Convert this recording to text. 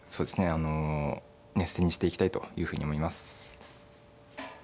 あの熱戦にしていきたいというふうに思います。